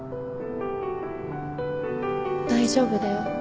大丈夫だよ正樹